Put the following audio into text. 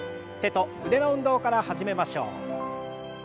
手と腕の運動から始めましょう。